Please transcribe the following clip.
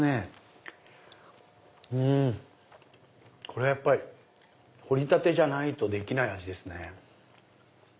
これは掘りたてじゃないとできない味ですね。